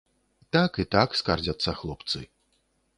Так і так, скардзяцца хлопцы.